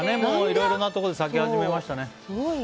いろんなところで咲き始めましたね。